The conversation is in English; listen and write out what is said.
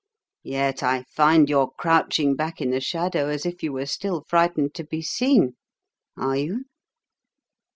"Yet I find your crouching back in the shadow as if you were still frightened to be seen. Are you?"